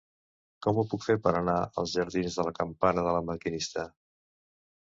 Com ho puc fer per anar als jardins de la Campana de La Maquinista?